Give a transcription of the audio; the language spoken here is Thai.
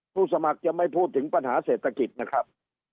ผู้สมัครจะไม่พูดถึงปัญหาเศรษฐกิจนะครับ